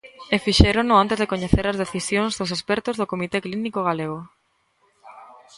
E fixérono antes de coñecer as decisións dos expertos do comité clínico galego.